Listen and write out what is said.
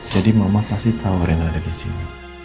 jadi mama pasti tau rena ada disini